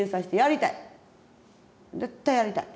絶対やりたい。